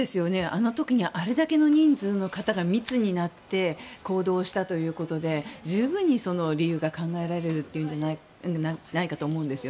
あの時にあれだけの人数の方が密になって行動したということで十分に理由が考えられるんじゃないかと思うんです。